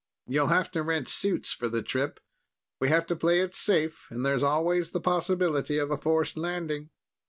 You'll have to rent suits for the trip. We have to play it safe, and there's always the possibility of a forced landing."